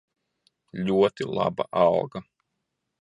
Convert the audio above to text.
Ļoti laba alga.